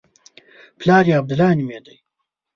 پلار یې عبدالله نومېده.